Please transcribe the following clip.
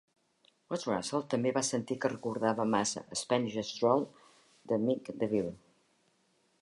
Watts-Russell també va sentir que recordava massa "Spanish Stroll" de MInk Deville.